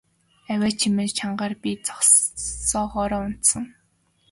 Авиа чимээ чагнасаар би зогсоогоороо унтсан.